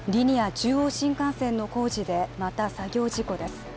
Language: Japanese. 中央新幹線の工事で、また作業事故です。